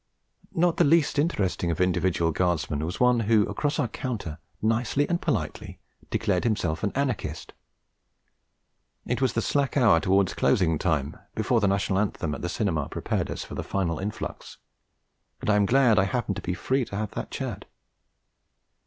Not the least interesting of individual Guardsmen was one who across our counter nicely and politely declared himself an anarchist. It was the slack hour towards closing time, before the National Anthem at the cinema prepared us for the final influx, and I am glad I happened to be free to have that chat.